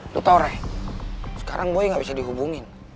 lo tau ray sekarang boy gak bisa dihubungin